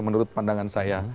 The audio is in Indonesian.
menurut pandangan saya